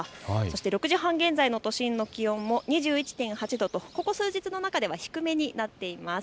６時半現在の都心の気温も２１．８度とここ数日の中では低めとなっています。